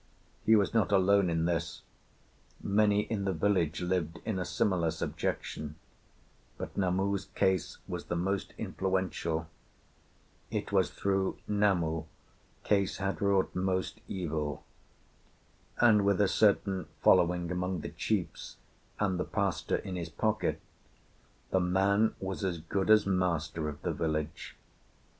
He was not alone in this; many in the village lived in a similar subjection; but Namu's case was the most influential, it was through Namu Case had wrought most evil; and with a certain following among the chiefs, and the pastor in his pocket, the man was as good as master of the village.